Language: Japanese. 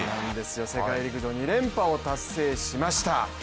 世界陸上２連覇を達成しました。